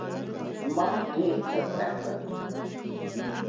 ما ډیر څه زده کړل.